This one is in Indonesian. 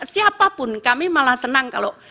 siapapun kami malah senang kalau